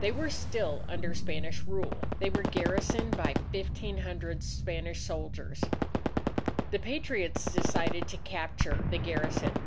They were still under Spanish rule. They were garrisoned by 1500 Spanish soldiers. The Patriots decided to capture the garrison.